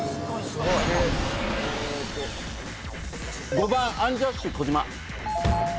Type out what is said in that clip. ５番アンジャッシュ児嶋。